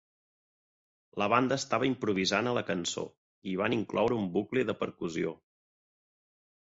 La banda estava improvisant a la cançó, i hi van incloure un bucle de percusió.